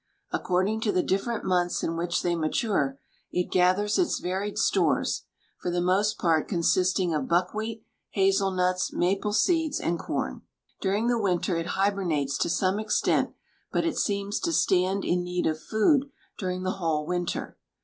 According to the different months in which they mature, it gathers its varied stores, for the most part consisting of buckwheat, hazelnuts, maple seeds, and corn. During the winter it hibernates to some extent, but it seems to stand in need of food during the whole winter.